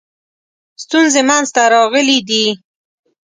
ستونزې منځته راغلي دي.